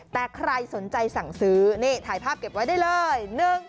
แต่ใครสนใจสั่งซื้อนี่ถ่ายภาพเก็บไว้ได้เลย